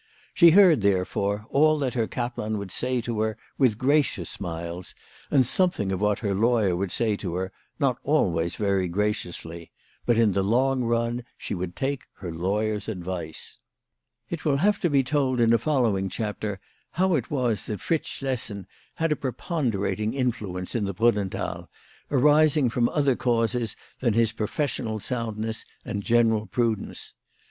She heard, therefore, all that her kaplan would say to her with gracious smiles, and something of what her lawyer would say to her, not always very graciously ; but in the long run she would take her lawyer's advice. It will have to be told in a following chapter how it was that Fritz Schlessen had a preponderating influence in the Brunnenthal, arising from other causes than his professional soundness and general prudence.